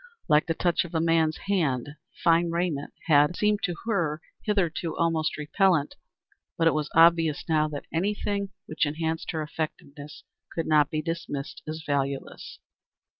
Like the touch of a man's hand, fine raiment had seemed to her hitherto almost repellant, but it was obvious now that anything which enhanced her effectiveness could not be dismissed as valueless.